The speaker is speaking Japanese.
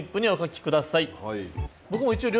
はい。